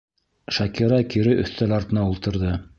Шакира кире өҫтәл артына ултырҙы.